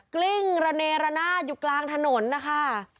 กลิ้งระเนระนาดอยู่กลางถนนนะคะ